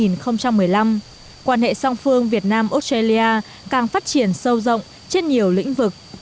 trong một mươi năm năm quan hệ song phương việt nam australia càng phát triển sâu rộng trên nhiều lĩnh vực